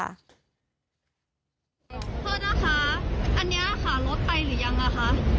เธอนะคะอันนี้ค่ะรถไปหรือยังหรือคะ